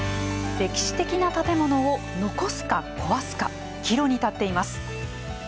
歴史的な建物を残すか壊すか、岐路に立っています。